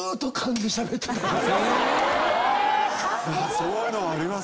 そういうのあります。